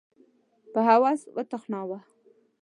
په هوس وتخناوه